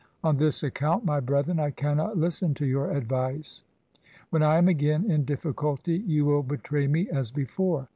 On this account, my brethren, I cannot listen to your advice. When I am again in difficulty, you will betray me as before.